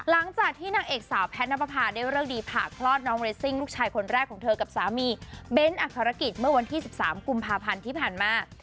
นางเอกสาวแพทย์นับประพาได้เลิกดีผ่าคลอดน้องเรซิ่งลูกชายคนแรกของเธอกับสามีเบ้นอักษรกิจเมื่อวันที่๑๓กุมภาพันธ์ที่ผ่านมา